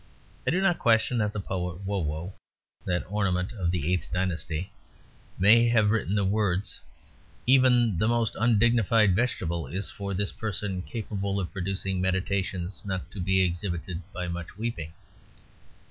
I do not question that the poet Wo Wo (that ornament of the eighth dynasty) may have written the words: "Even the most undignified vegetable is for this person capable of producing meditations not to be exhibited by much weeping."